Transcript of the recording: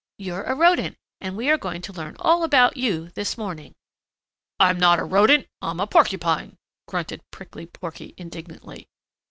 You're a Rodent, and we are going to learn all about you this morning." "I'm not a Rodent; I'm a Porcupine," grunted Prickly Porky indignantly.